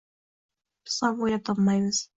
biz ham o‘ylab topyapmiz...